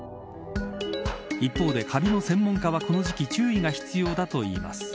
一方で、カビの専門家はこの時期注意が必要だといいます。